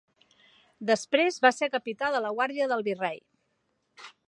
Després va ser capità de la guàrdia del virrei.